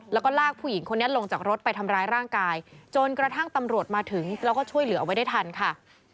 แล้วก็ลากผู้หญิงคนนี้ลงจากรถไปทำร้ายร่างกายจนกระทั่งตำรวจมาถึงแล้วก็ช่วยเหลือเอาไว้ได้ทันค่ะ